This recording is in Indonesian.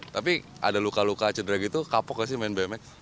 tapi ada luka luka cedera gitu kapok gak sih main bmx